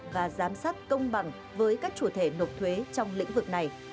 và giám sát công bằng với các chủ thể nộp thuế trong lĩnh vực này